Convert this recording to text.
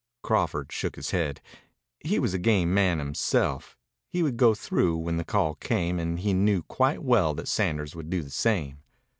Crawford shook his head. He was a game man himself. He would go through when the call came, and he knew quite well that Sanders would do the same.